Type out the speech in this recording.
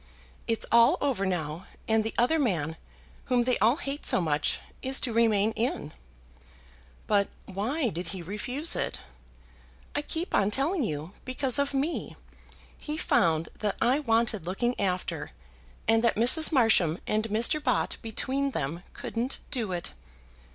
It's all over now, and the other man, whom they all hate so much, is to remain in." "But why did he refuse it?" "I keep on telling you because of me. He found that I wanted looking after, and that Mrs. Marsham and Mr. Bott between them couldn't do it."